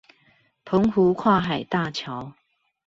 澎湖跨海大橋